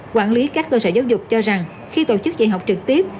quản lý các cơ sở giáo dục cho rằng khi tổ chức dạy học trực tiếp